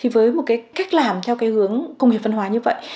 với một cách làm theo hướng công nghiệp văn hóa như vậy